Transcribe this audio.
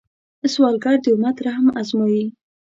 سوالګر د امت رحم ازمويي